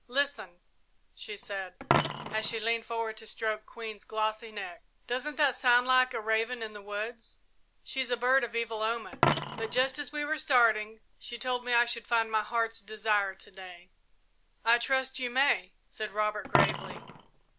"Listen," she said, as she leaned forward to stroke Queen's glossy neck, "doesn't that sound like a raven in the woods? She's a bird of evil omen, but, just as we were starting, she told me I should find my heart's desire to day." "I trust you may," said Robert, gravely.